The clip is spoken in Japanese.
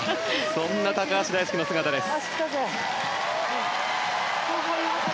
そんな高橋大輔の姿です。